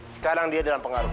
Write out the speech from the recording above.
sekarang dia dalam pengaruh